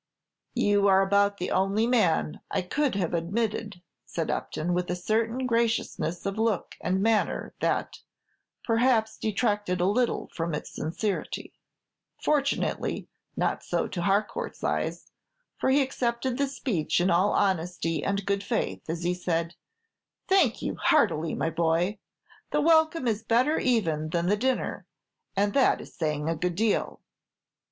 "You are about the only man I could have admitted," said Upton, with a certain graciousness of look and manner that, perhaps, detracted a little from its sincerity. Fortunately, not so to Harcourt's eyes, for he accepted the speech in all honesty and good faith, as he said, "Thank you heartily, my boy. The welcome is better even than the dinner, and that is saying a good deal.